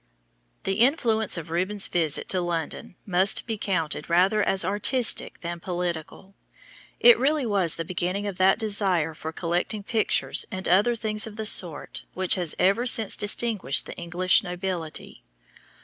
The influence of Rubens' visit to London must be counted rather as artistic than political. It really was the beginning of that desire for collecting pictures and other things of the sort which has ever since distinguished the English nobility.